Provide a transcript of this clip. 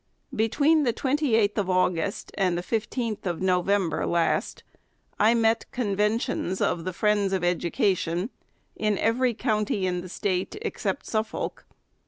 Between the 28th of August and the 15th of Novem ber last, I met conventions of the friends of education in every county in the State except Suffolk.